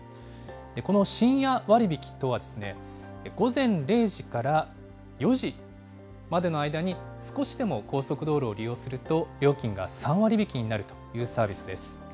この深夜割引とは、午前０時から４時までの間に、少しでも高速道路を利用すると、料金が３割引きになるというサービスです。